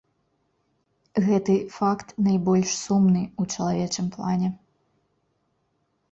Гэты факт найбольш сумны ў чалавечым плане.